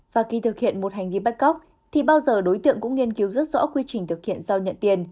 và khi thực hiện một hành vi bắt cóc thì bao giờ đối tượng cũng nghiên cứu rất rõ quy trình thực hiện giao nhận tiền